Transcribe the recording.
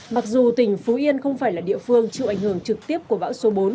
mặc dù tỉnh phú yên không phải là địa phương chịu ảnh hưởng trực tiếp của bão số bốn